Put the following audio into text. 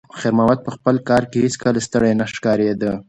خیر محمد په خپل کار کې هیڅکله ستړی نه ښکارېده.